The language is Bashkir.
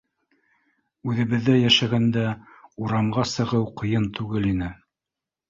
Үҙебеҙҙә йәшәгәндә урамға сығыу ҡыйын түгел ине.